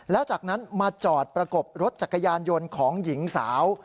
แล้วจากนั้นมาจอดประกบรถจักรยานยนต์ของหญิงสาว